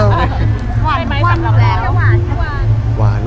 ความวันไม่สำหรับเรา